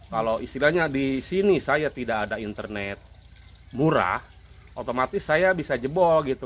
kalau istilahnya di sini saya tidak ada internet murah otomatis saya bisa jebol gitu